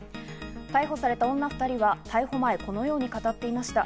逮捕された女２人は逮捕前、このように語っていました。